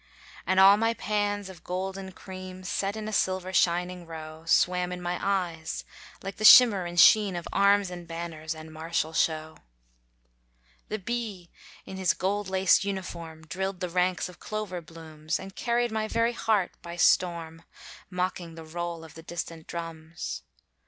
And all my pans of golden cream, Set in a silver shining row, Swam in my eyes like the shimmer and sheen Of arms and banners, and martial show. The bee in his gold laced uniform, Drilled the ranks of clover blooms, And carried my very heart by storm, Mocking the roll of the distant drums.